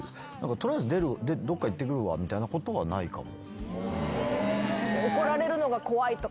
取りあえずどっか行ってくるわみたいなことはないかも。